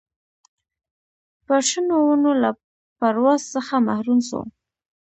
پر شنو ونو له پرواز څخه محروم سو